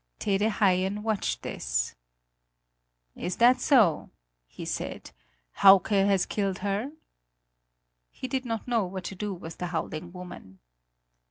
Tede Haien watched this. "Is that so," he said; "Hauke has killed her?" He did not know what to do with the howling woman.